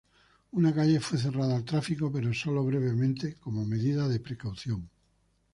Una calle fue cerrada al tráfico pero sólo brevemente, como medida de precaución.